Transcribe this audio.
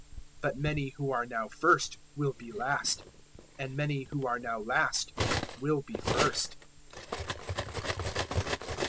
019:030 "But many who are now first will be last, and many who are now last will be first.